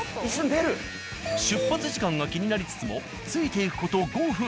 出発時間が気になりつつもついていく事５分。